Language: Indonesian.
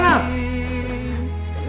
ah ah kang